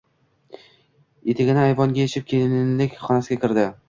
Etigini ayvonga yechib, kelinlik xonasiga kirdi.